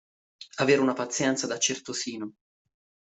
Avere una pazienza da certosino.